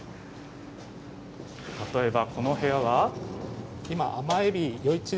例えばこの部屋は？